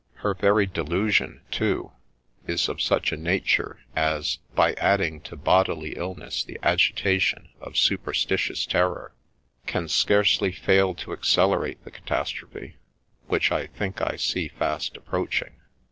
Her very delusion, too, is of such a nature as, by adding to bodily illness the agitation of superstitious terror, can scarcely fail to accelerate the cata strophe, which I think I see fast approaching.